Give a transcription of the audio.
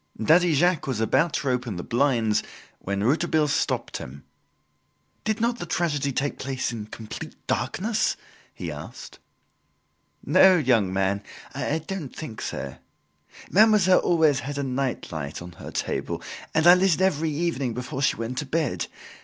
Daddy Jacques was about to open the blinds when Rouletabille stopped him. "Did not the tragedy take place in complete darkness?" he asked. "No, young man, I don't think so. Mademoiselle always had a nightlight on her table, and I lit it every evening before she went to bed.